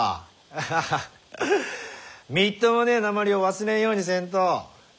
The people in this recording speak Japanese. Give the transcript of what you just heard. アハハみっともねえなまりを忘れんようにせんと。